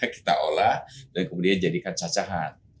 kita olah dan kemudian jadikan cacahan